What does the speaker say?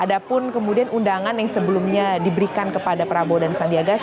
ada pun kemudian undangan yang sebelumnya diberikan kepada prabowo dan sandiaga